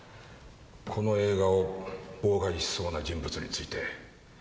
この映画を妨害しそうな人物について。